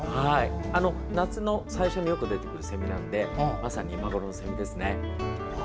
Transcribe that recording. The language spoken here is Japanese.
夏の最初によく出てくるセミなのでまさに今ごろですね。